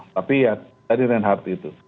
tapi ya tadi reinhardt itu